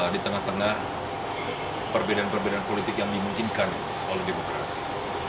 di tengah tengah perbedaan perbedaan politik yang dimungkinkan oleh demokrasi